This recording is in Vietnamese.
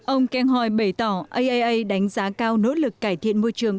ông keng hòi bày tỏ iaea đánh giá cao nỗ lực cải thiện môi trường